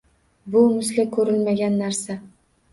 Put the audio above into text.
Bu misli ko'rilmagan narsa